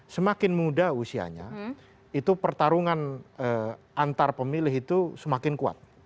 semakin muda usianya itu pertarungan antar pemilih itu semakin kuat